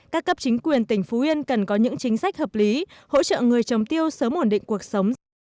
các cấp chính quyền tỉnh phú yên cần có những chính sách hợp lý hỗ trợ người trồng tiêu sớm ổn định cuộc sống